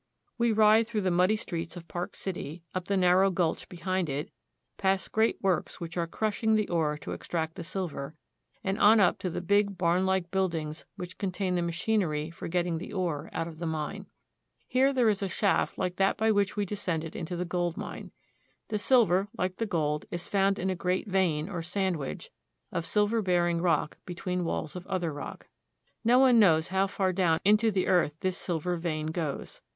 We ride through the muddy streets of Park City, up the narrow gulch behind it, past great works which are crush A DAY IN A SILVER MINE. 249 Mining District — Leadville. ing the ore to extract the silver, and on up to the big barnlike buildings which contain the machinery for getting the ore out of the mine. Here there is a shaft like that by which we descended into the gold mine. The silver, like the gold, is found in a great vein, or sandwich, of silver bearing rock between walls of other rock. No one knows how far down into the earth this silver vein goes.